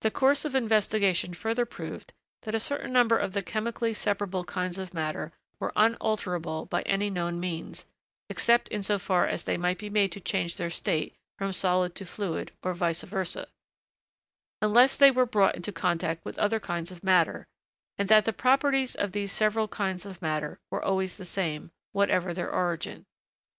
The course of investigation further proved that a certain number of the chemically separable kinds of matter were unalterable by any known means (except in so far as they might be made to change their state from solid to fluid, or vice versâ), unless they were brought into contact with other kinds of matter, and that the properties of these several kinds of matter were always the same, whatever their origin.